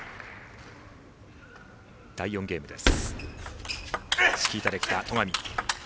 第４ゲームです。